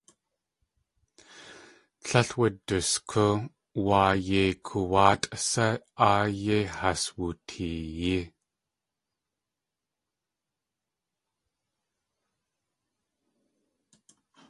Tlél wuduskú wáa yéi koowáatʼ sá áa yéi has wooteeyí.